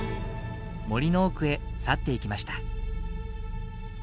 森の奥へ去っていきました。